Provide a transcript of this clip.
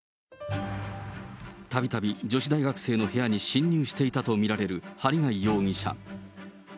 たびたび女子大学生の部屋に侵入していたと見られる針谷容疑者。